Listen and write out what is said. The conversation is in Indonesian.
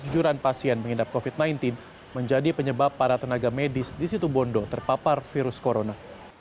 kejujuran pasien menginap covid sembilan belas menjadi penyebab para tenaga medis di situ bondo terpapar virus corona